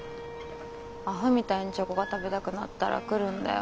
アホみたいにチョコが食べたくなったら来るんだよ。